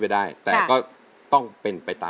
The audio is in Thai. ไม่เคยลืมคำคนลำลูกกา